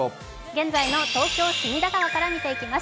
現在の東京・隅田川から見ていきます。